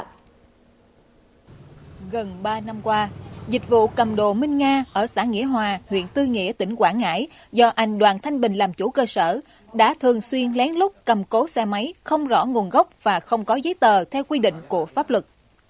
gần ba năm qua dịch vụ cầm đồ minh nga ở xã nghĩa hòa huyện tư nghĩa tỉnh quảng ngãi do anh đoàn thanh bình làm chủ cơ sở đã thường xuyên lén lút cầm cố xe máy không rõ nguồn gốc và không có giấy tờ theo quy định của pháp luật